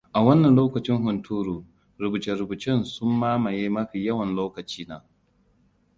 A wannan lokacin hunturu, rubuce-rubucen sun mamaye mafi yawan lokacina.